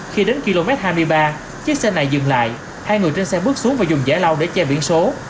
khi đến km hai mươi ba chiếc xe này dừng lại hai người trên xe bước xuống và dùng giải lao để che biển số